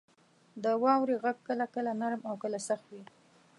• د واورې غږ کله کله نرم او کله سخت وي.